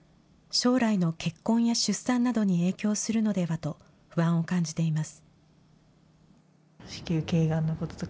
将来の結婚や出産などに影響するのではと不安を感じています。